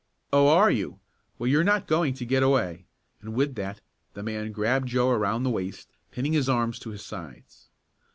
"Oh, are you? Well, you're not going to get away!" and with that the man grabbed Joe around the waist, pinning his arms to his sides.